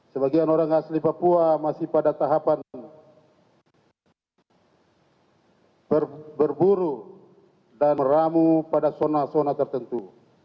sebagian orang asli papua masih pada tahapan berburu dan meramu pada zona zona tertentu